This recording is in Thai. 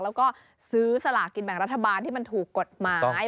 แล้วก็ซื้อสลากกินแบ่งรัฐบาลที่มันถูกกฎหมาย